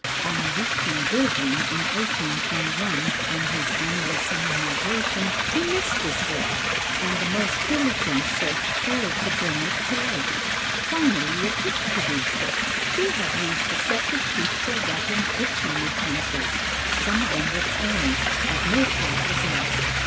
On reaching Döbling in 1821 on his annual summer migration, he missed this work and the most diligent search failed to bring it to light. Finally the cook produced it; she had used the separate sheets for wrapping kitchen utensils. Some of them were torn, but no part was lost.